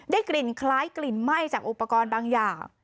กลิ่นคล้ายกลิ่นไหม้จากอุปกรณ์บางอย่าง